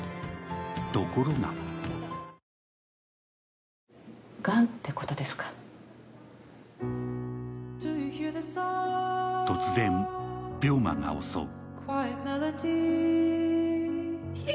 ところが突然、病魔が襲う。